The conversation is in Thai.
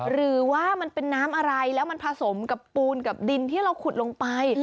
หรือว่ามันเป็นน้ำอะไรแล้วมันผสมกับปูนกับดินที่เราขุดลงไป